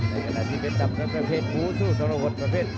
ใกล้ที่ก็น่าจะมีกระเภทเพื่อสู้ทะโลกศิษย์